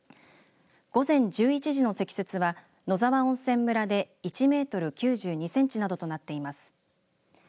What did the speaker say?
午前１１時の積雪は野沢温泉村で１メートル９２センチなどとなっています。